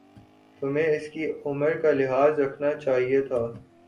تمہیں اسکی عمر کا لحاظ رکھنا چاہیۓ تھا